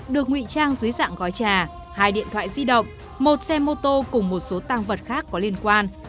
được nguy trang dưới dạng gói trà hai điện thoại di động một xe mô tô cùng một số tăng vật khác có liên quan